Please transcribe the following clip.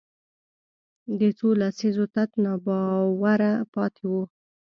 د څو لسیزو تت ناباوره پاتې وو